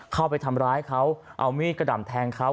เข้าไปทำร้ายเขาเอามีดกระดำแทงเขา